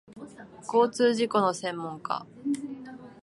交通事故の専門家